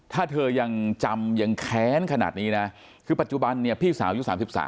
ถ้าเธอยังจำยังแค้นขนาดนี้นะคือปัจจุบันเนี่ยพี่สาวยุค๓๓